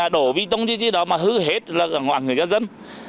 đổ vi tông đi đó mà hư hết ngoạn người dân